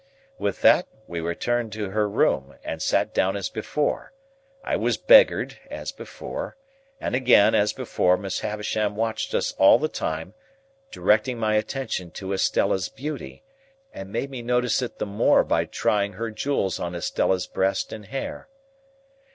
With that, we returned to her room, and sat down as before; I was beggared, as before; and again, as before, Miss Havisham watched us all the time, directed my attention to Estella's beauty, and made me notice it the more by trying her jewels on Estella's breast and hair.